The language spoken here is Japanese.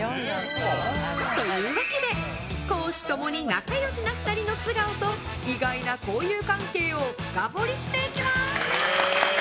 というわけで公私共に仲良しな２人の素顔と意外な交友関係を深掘りしていきます。